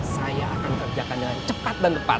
saya akan kerjakan dengan cepat dan tepat